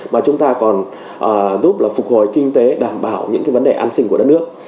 mà chúng ta còn giúp là phục hồi kinh tế đảm bảo những vấn đề an sinh của đất nước